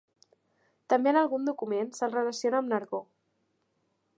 També en algun document se'l relaciona amb Nargó.